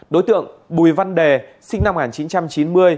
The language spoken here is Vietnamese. đối tượng bùi văn đề sinh năm một nghìn chín trăm chín mươi